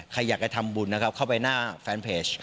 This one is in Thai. ใครอยากไปทำบุญนะครับเข้าไปหน้าแฟนเพจ